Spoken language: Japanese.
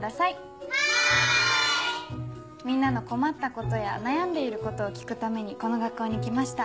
みんなの困ったことや悩んでいることを聞くためにこの学校に来ました。